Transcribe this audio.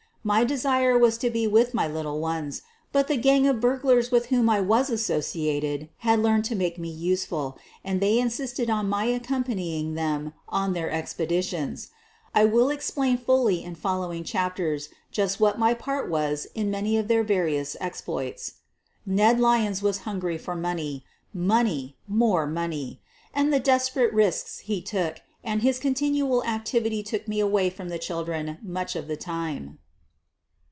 My desire was to be with my little ones, but the gang of burglars with whom I was as sociated had learned to make me useful, and they in sisted on my accompanying them on their expedi tions. I will explain fully in following chapters just what my part was in many of their various exploits. Ned Lyons was hungry for money — money, more money — and the desperate risks he took and his con tinual activity took me away from the children much of the time.